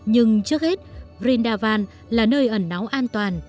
nhưng trước hết drendavan là nơi ẩn náu an toàn